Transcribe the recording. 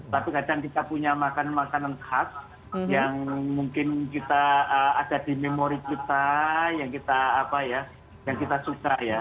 tapi kadang kita punya makanan makanan khas yang mungkin kita ada di memori kita yang kita suka ya